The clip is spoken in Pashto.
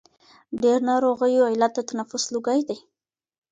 ډېرو ناروغیو علت د تنفس لوګی دی.